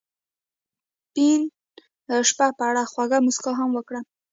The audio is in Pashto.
هغې د سپین شپه په اړه خوږه موسکا هم وکړه.